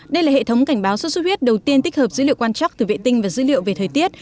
đây là hệ thống cảnh báo xuất xuất huyết đầu tiên tích hợp dữ liệu quan chắc từ vệ tinh và dữ liệu về thời tiết